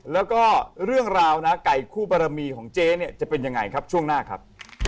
แล้วก็เรื่องราวนะไก่คู่บารมีของเจ๊เนี่ยจะเป็นยังไงครับช่วงหน้าครับ